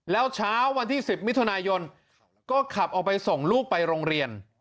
แล้วเช้าวันที่๑๐มิถุนายนก็ขับออกไปส่งลูกไปโรงเรียน